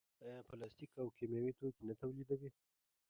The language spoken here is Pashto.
آیا پلاستیک او کیمیاوي توکي نه تولیدوي؟